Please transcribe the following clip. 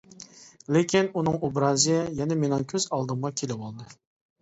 لېكىن ئۇنىڭ ئوبرازى يەنە مېنىڭ كۆز ئالدىمغا كېلىۋالدى.